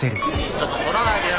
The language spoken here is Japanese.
ちょっと撮らないでよ。